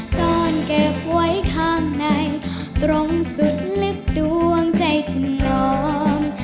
ซ่อนเก็บไว้ข้างในตรงสุดลึกดวงใจฉันลอง